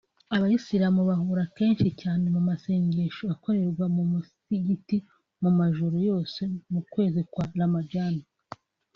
Abayisilamu bahura kenshi cyane mu masengesho akorerwa mu musigiti mu majoro yose y’ukwezi kwa Ramadhan